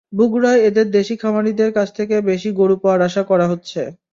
বগুড়ায় এবার দেশি খামারিদের কাছ থেকে বেশি গরু পাওয়ার আশা করা হচ্ছে।